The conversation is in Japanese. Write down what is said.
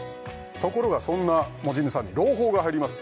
ところがそんなモジミさんに朗報が入ります